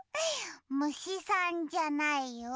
むしさんじゃないよ。